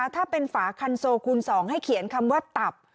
ถ้าเป็นฝาคันโซคูณ๒ให้เขียนคำว่าตับ